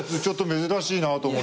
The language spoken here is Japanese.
ちょっと珍しいな。